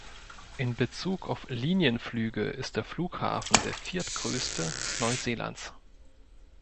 In Bezug auf Linienflüge ist der Flughafen der viertgrößte Neuseelands.